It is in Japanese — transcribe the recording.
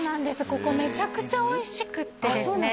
ここめちゃくちゃおいしくってですね